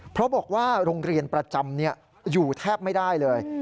เพราะบอกว่าโรงเรียนประจำอยู่แทบไม่ได้เลย